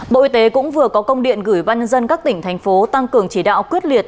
bộ y tế cũng vừa có công điện gửi ban nhân dân các tỉnh thành phố tăng cường chỉ đạo quyết liệt